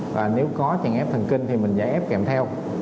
và nếu có chèn ép thần kinh thì mình giải ép kèm theo